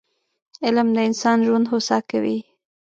علم د انسان ژوند هوسا کوي